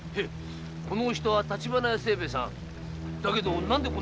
このお人は橘屋清兵衛さん。